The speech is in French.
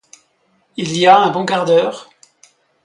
Il y a un bon quart dʼheure.